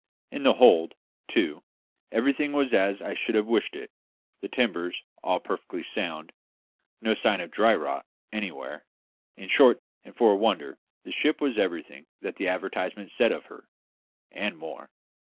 In the hold, too, everything was as I should have wished it; the timbers all perfectly sound; no sign of dry rot anywhere; in short, and for a wonder, the ship was everything that the advertisement said of her, and more.